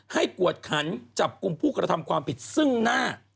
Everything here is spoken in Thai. กวดขันจับกลุ่มผู้กระทำความผิดซึ่งหน้า